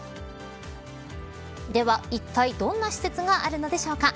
ではいったい、どんな施設があるのでしょうか。